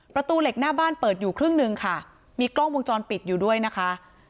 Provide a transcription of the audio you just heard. ประตูเหล็กหน้าบ้านเปิดอยู่ครึ่งหนึ่งค่ะมีกล้องวงจรปิดอยู่ด้วยนะคะ